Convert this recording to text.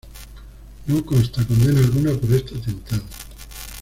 No consta condena alguna por este atentado.